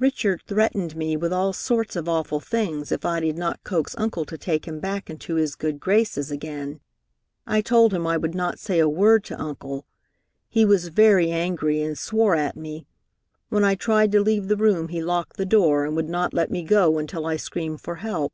Richard threatened me with all sorts of awful things if I did not coax Uncle to take him back into his good graces again. I told him I would not say a word to Uncle. He was very angry and swore at me. When I tried to leave the room he locked the door and would not let me go until I screamed for help.